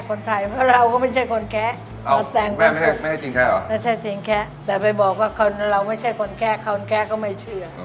คนแค่ก็ไม่เชื่อ